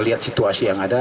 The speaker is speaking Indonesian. lihat situasi yang ada